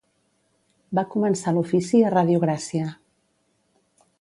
Va començar l'ofici a Ràdio Gràcia.